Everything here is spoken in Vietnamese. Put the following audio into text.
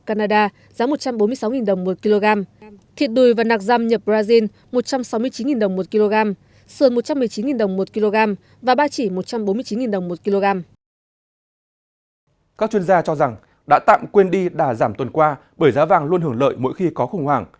các chuyên gia cho rằng đã tạm quên đi đà giảm tuần qua bởi giá vàng luôn hưởng lợi mỗi khi có khủng hoảng